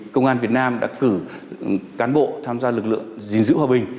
công an việt nam đã cử cán bộ tham gia lực lượng gìn giữ hòa bình